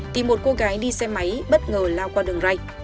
thì một cô gái đi xe máy bất ngờ lao qua đường ray